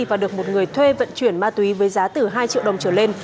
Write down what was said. và được một người thuê vận chuyển ma túy với giá từ hai triệu đồng trở lên